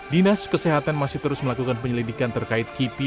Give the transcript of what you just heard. dinas kesehatan masih terus melakukan penyelidikan terkait kipi